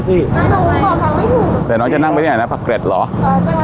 เดี๋ยวน้องจะนั่งไปไหนนะพักเกร็ชเหรอ